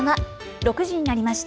６時になりました。